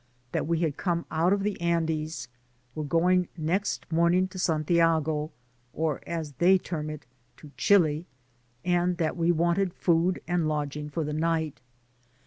— that we had come out of the Andes, were going next morn ing to Santiago, or, as they term it, to Chili, and that we wanted food and lodging for the night.